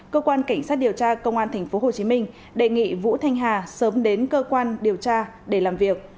cơ quan cảnh sát điều tra công an tp hcm đề nghị vũ thanh hà sớm đến cơ quan điều tra để làm việc